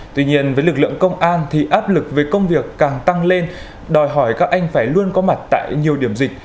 tuy nhiên với lực lượng công an thì áp lực về công việc càng tăng lên đòi hỏi các anh phải luôn có mặt tại nhiều điểm dịch